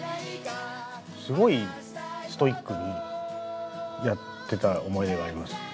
すごいストイックにやってた思い出があります。